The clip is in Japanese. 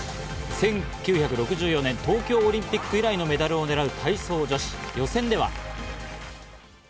１９６４年、東京オリンピック以来のメダルを狙う体操女子予選では。